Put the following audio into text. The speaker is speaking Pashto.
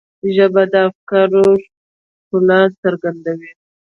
ژبه د افکارو ښکلا څرګندوي